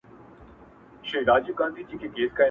هم په چرت كي د بيزو او هم د ځان وو؛